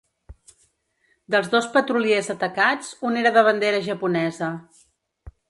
Dels dos petroliers atacats, un era de bandera japonesa.